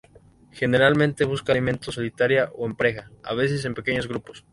Generalmente busca alimento solitaria o en pareja, a veces en pequeños grupos.